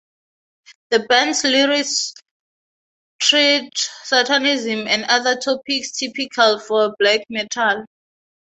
The band's lyrics treat Satanism and other topics typical for black metal.